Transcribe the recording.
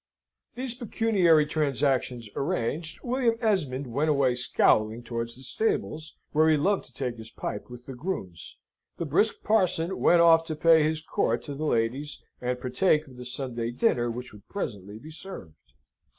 These pecuniary transactions arranged, William Esmond went away scowling towards the stables, where he loved to take his pipe with the grooms; the brisk parson went off to pay his court to the ladies, and partake of the Sunday dinner which would presently be served.